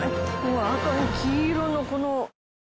赤と黄色のこの。